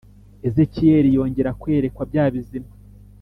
Ezekiyeli yongera kwerekwa bya bizima